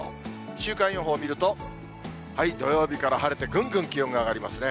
週間予報見ると、土曜日から晴れて、ぐんぐん気温が上がりますね。